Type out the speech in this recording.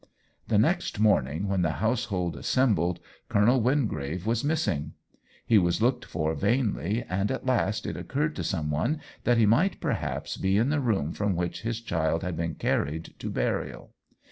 The next morning, when 13 194 OWEN WINGRAVE the household assembled, Colonel Wingrave was missing ; he was looked for vainly, and at last it occurred to some one that he might perhaps be in the room from which his child had been carried to burial.